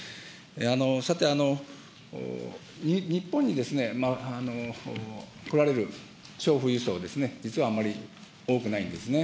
さて、日本に来られる超富裕層ですね、実はあんまり多くないんですね。